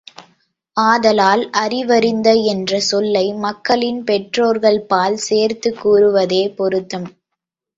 ஆதலால் அறிவறிந்த என்ற சொல்லை மக்களின் பெற்றோர்கள்பால் சேர்த்துக் கூறுவதே பொருத்தம்.